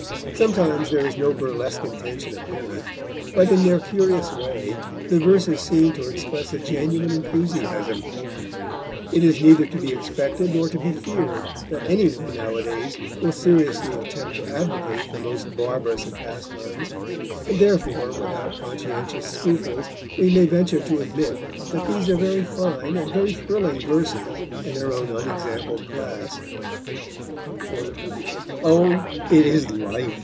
Sometimes there is no burlesque intention apparent, but, in their curious way, the verses seem to express a genuine enthusiasm. It is neither to be expected nor to be feared that any one nowadays will seriously attempt to advocate the most barbarous of pastimes, and therefore, without conscientious scruples, we may venture to admit that these are very fine and very thrilling verses in their own unexampled class: _Oh, it is life!